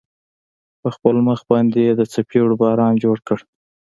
په خپل مخ باندې يې د څپېړو باران جوړ كړ.